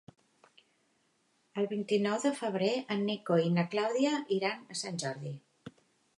El vint-i-nou de febrer en Nico i na Clàudia iran a Sant Jordi.